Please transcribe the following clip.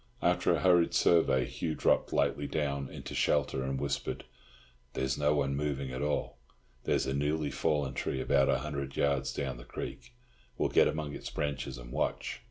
After a hurried survey Hugh dropped lightly down into shelter, and whispered, "There's no one moving at all. There's a newly fallen tree about a hundred yards down the creek; we'll get among its branches and watch."